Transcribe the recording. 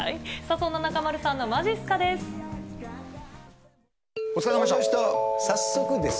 そんな中丸さんのまじっすかです。